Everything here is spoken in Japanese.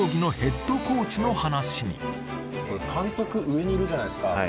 ここで監督上にいるじゃないですか